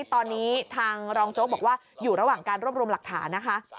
ตอนนี้ทางรองโจ๊กบอกว่าอยู่ระหว่างการรวบรวมหลักฐานนะคะ